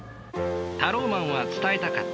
タローマンは伝えたかった。